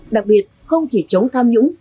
đặc biệt không chỉ chống tham nhũng